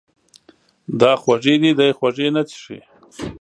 دا خوږې دي، دی خوږې نه څښي.